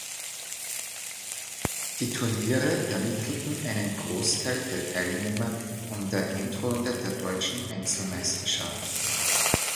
Die Turniere ermittelten einen Großteil der Teilnehmer an der Endrunde der Deutschen Einzelmeisterschaft.